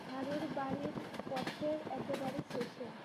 হারুর বাড়ি পথের একেবারে শেষে।